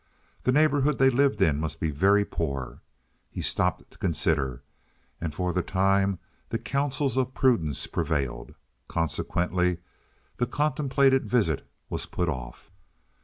The neighborhood they lived in must be very poor. He stopped to consider, and for the time the counsels of prudence prevailed. Consequently the contemplated visit was put off.